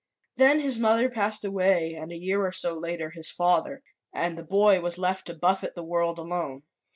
Then his mother passed away and a year or so later his father, and the boy was left to buffet the world alone.